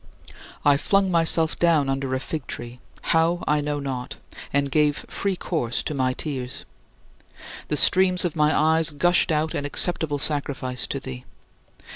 I flung myself down under a fig tree how I know not and gave free course to my tears. The streams of my eyes gushed out an acceptable sacrifice to thee.